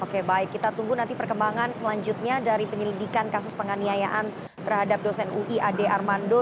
oke baik kita tunggu nanti perkembangan selanjutnya dari penyelidikan kasus penganiayaan terhadap dosen ui ade armando